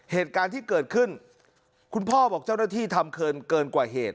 เหตุการณ์ที่เกิดขึ้นคุณพ่อบอกเจ้าหน้าที่ทำเกินเกินกว่าเหตุ